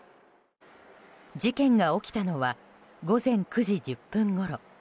事件が起きたのは午前９時１０分ごろ。